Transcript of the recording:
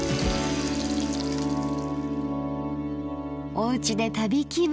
おうちで旅気分。